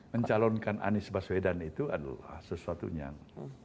mencalonkan anies baswedan itu adalah sesuatu yang